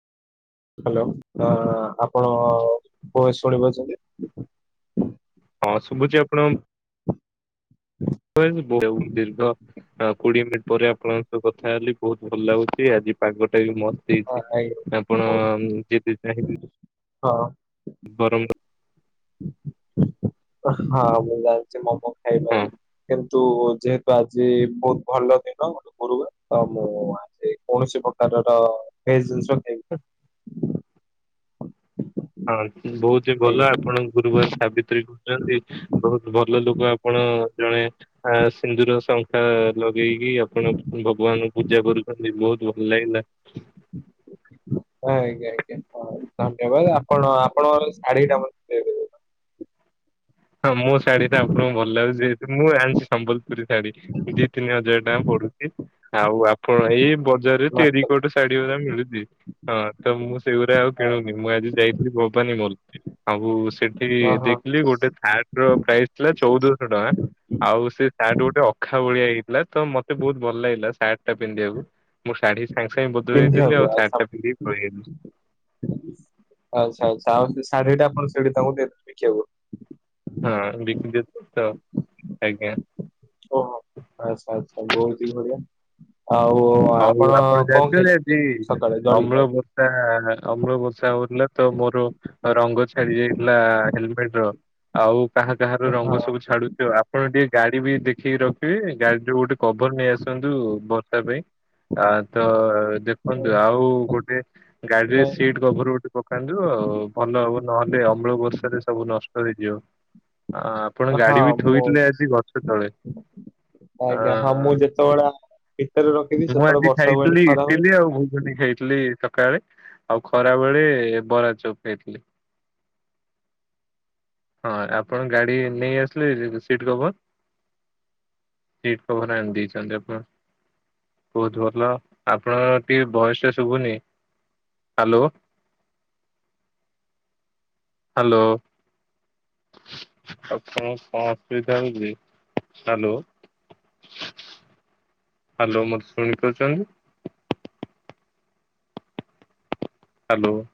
Hello ଆପଣ voice ଶୁଣିପାରୁଛନ୍ତି। ହଁ ଶୁଭୁଛି ଆପଣ [unintelligible] ଦୀର୍ଘ। ହଁ କୋଡିଏ ମିନିଟ୍ ପରେ ଆପଣଙ୍କ ସହ କଥା ହେଲି ବହୁତ ଭଲ ଲାଗୁଛି ଆଜି ପାଗଟା ବି ମ ହଁ ଦେଇଛି ଆପଣ ନିଜେ ପିପ୍ରିୟାର। [unintelligible] ହଁ। ବରମ। [unintelligible] ହଁ ମୁଁ ଜାଣିଛି ମମୋ ହଁ ଖାଇବାରେ। କିନ୍ତୁ ଯେହେତୁ ଆଜି ବହୁତ ଭଲ ଦିନ। ତ ମୁଁ ଆଜି କୌଣସି ପ୍ରକାରର। [unintelligible] ହଁ ବହୁତ ହି ଭଲ ଆଜ୍ଞା ଆପଣ ଗୁରୁବାର ସାବିତ୍ରୀ କରୁଛନ୍ତି ବହୁତ ଭଲ ଲୋକ ଆପଣ ଜଣେ। ଆ ସିନ୍ଦୁର ଶଙ୍ଖା ଲଗେଇକି ଆପଣ ଭଗବାନଙ୍କୁ ପୂଜା କରୁଛନ୍ତି ବହୁତ ଭଲ ଲାଗିଲା। ଆଜ୍ଞା ଆଜ୍ଞା ହଁ ଧନ୍ୟବାଦ ଆପଣ ଆପଣଙ୍କର ଶାଢୀ ଟା ମ ହଁ ମୋ ଶାଢୀ ତା ଆପଣଙ୍କୁ ଭଲ ଲାଗୁଛି ଯେହେତୁ ମୁଁ ଆଣିଛି ସମ୍ବଲପୁରୀ ଶାଢୀ। ଦି ତିନି ହଜାର ଟଙ୍କା ପଢୁଛି। ଆଉ ଆପଣ ଏଇ ବଜାରରେ ଟେରି କୋଟ ଶାଢୀଗୁଡା ମିଳୁଛି। ହଁ ତ ମୁଁ ସେଗୁଡ଼ା ଆଉ କିଣୁନି ମୁଁ ଆଜି ଯାଇଥିଲି ଭବାନୀ ମଲ ସବୁ ସେଠି ହଁ ହଁ ଦେଖିଲି ଗୋଟେ ସାର୍ଟ ର ପ୍ରାଇସ ଥିଲା ଚଉଦଶହ ଟଙ୍କା। ଆଉ ସେ ସାର୍ଟ ଗୋଟେ ଅଖା ଭଳିଆ ହେଇଥିଲା ତ ମତେ ବହୁତ ଭଲ ଲାଗିଲା ସାର୍ଟ ଟା ପିନ୍ଧିବାକୁ। ମୁଁ ଶାଢ଼ୀ ସାଙ୍ଗେ ସାଙ୍ଗେ ବଦଳେଇଦେଲି ପିନ୍ଧିବାକୁ ଆଉ ଆଚ୍ଛା ଶାଢୀ ଟା ପିନ୍ଧି ପଳେଇ ଆଇଲି। ଆଚ୍ଛା ଆଚ୍ଛା ଆଉ ସେ ଶାଢୀଟା ଆପଣ ସେଠି ତାଙ୍କୁକୁ ଦେଖିବାକୁ ହଁ ବିକିଦଥିଲ ତ ଆଜ୍ଞା। ଓହୋ ଆଛା ଆଛା ବହୁତ ହିଁ ବଢିଆ। ଆଉ ହଉ ଆପଣ କଣ ଜାଣିଛନ୍ତି ଆଜି ଯାଇିବେ ସକାଳେ ଜଳଖିଆ। [unintelligible] ଅମ୍ଳ ବର୍ଷା ହଉଥିଲା ତ ମୋର ରଙ୍ଗ ଛାଡି ଯାଇଥିଲା ହେ [unintelligible] ଆଉ କାହା କାହାର ରଙ୍ଗ ସବୁ ହଁ। ଛାଡୁଛି ତ। ଆପଣ ଟିକେ ଗାଡି ବି ଦେଖିକି ରଖିବେ ଗାଡି ଯୋଉ ଗୋଟେ କଭର ନେଇ ଆସନ୍ତୁ ବର୍ଷା ପାଇଁ। ଆ ତ ଦେଖନ୍ତୁ ଆଉ ଗୋଟେ ଗାଡିରେ ନାଇଁ ସିଟ ଗୋବର ଗୋଟେ ପକାଉ ଆଉ ଭଲ ହବ ନହେଲେ ଅମ୍ଳ ବର୍ଷାରେ ସବୁ ନଷ୍ଟ ହେଇଯିବ। ଆପଣ ହଁ ଗାଡି ବି ମୁଁ ଥୋଇଥିଲେ ଆଜି ଗଛ ତଳେ ଆଜ୍ଞା ଅ। [unintelligible] ଭିତରେ ରଖ। ମୁଁ ଆଜି ଖାଇଥିଲି ଇଟିଲି ଆଉ ଭୋଗନୀ ଖାଇଥିଲି। ସକାଳେ ଆଉ ଖରା ବେଳେ ବରା ଚପ୍ ଖାଇଥିଲି। ହଁ ଆପଣ ଗାଡି ନେଇ ଆସିଲେ ସିଟ୍ କଭର। ସିଟ୍ କଭର ଆଣି ଦେଇଛନ୍ତି ଆପଣ। ବହୁତ ଭଲ ଆପଣଙ୍କ ଟିକେ ଭଏସ ଟା ଶୁଭୁନି ହ୍ୟାଲୋ। ହ୍ୟାଲୋ। ଆଉ କଣ କଣ ଅସୁବିଧା ହୋଉଚି ହାଲୋ। ହାଲୋ ମତେ ଶୁଣି ପାରୁଚନ୍ତି। ହାଲୋ।